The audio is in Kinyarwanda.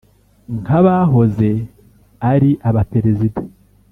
Nk’abahoze ari abaperezida